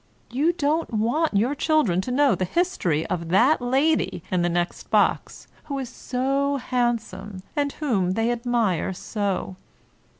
You don't want your children to know the history of that lady in the next box, who is so handsome, and whom they admire so.